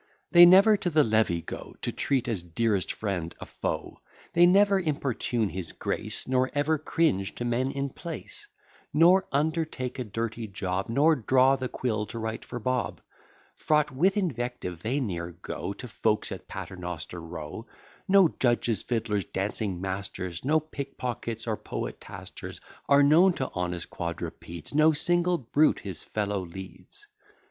They never to the levee go To treat, as dearest friend, a foe: They never importune his grace, Nor ever cringe to men in place: Nor undertake a dirty job, Nor draw the quill to write for Bob. Fraught with invective, they ne'er go To folks at Paternoster Row. No judges, fiddlers, dancing masters, No pickpockets, or poetasters, Are known to honest quadrupeds; No single brute his fellow leads.